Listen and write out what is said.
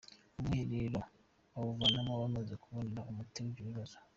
Uwo mwiherero bawuvagamo bamaze kubonera umuti ibyo bibazo.